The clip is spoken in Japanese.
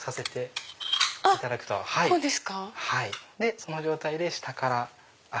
その状態で下から。